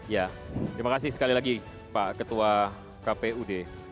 ya terima kasih sekali lagi pak ketua kpud